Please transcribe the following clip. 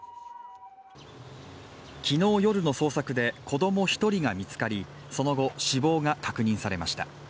昨日夜の捜索で子供１人が見つかりその後、死亡が確認されました。